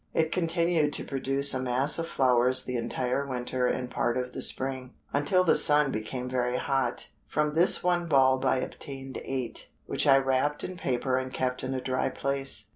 It continued to produce a mass of flowers the entire winter and part of the spring, until the sun became very hot. From this one bulb I obtained eight, which I wrapped in paper and kept in a dry place.